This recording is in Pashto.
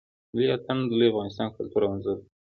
ملی آتڼ د لوی افغانستان کلتور او آنځور دی.